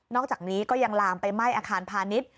อกจากนี้ก็ยังลามไปไหม้อาคารพาณิชย์